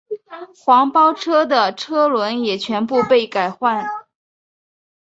黄包车的车轮也全部被改换。